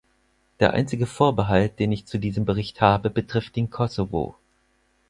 Der einzige Vorbehalt, den ich zu diesem Bericht habe, betrifft den Kosovo.